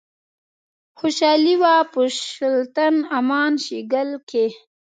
خوشحالي وه په شُلتن، امان شیګل کښي